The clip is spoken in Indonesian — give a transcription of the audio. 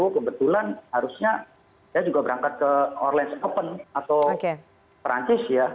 kebetulan harusnya saya juga berangkat ke orlance open atau perancis ya